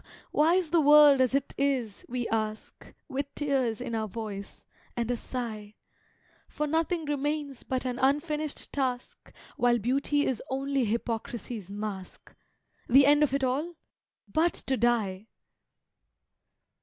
why is the world as it is, we ask, With tears in our voice, and a sigh: For nothing remains but an unfinished task, While beauty is only hypocrisy's mask, The end of it all—but to die.